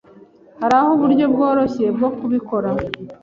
Hariho uburyo bworoshye bwo kubikora.